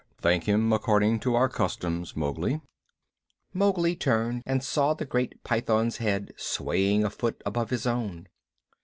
Thank him according to our customs, Mowgli." Mowgli turned and saw the great Python's head swaying a foot above his own.